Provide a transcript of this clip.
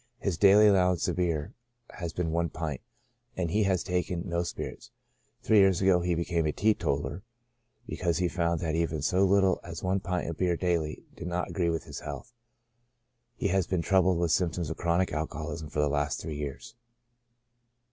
His daily allowance of beer has been one pint, and he has taken no spirits. Three years ago he became a teetotaller, because he found that even so little as one pint of beer daily did not agree with his health. He has been troubled with symp toms of chronic alcoholism for the last three years.